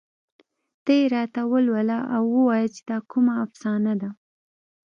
ته یې راته ولوله او ووايه چې دا کومه افسانه ده